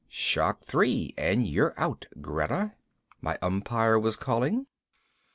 Shock Three and you're out, Greta, my umpire was calling.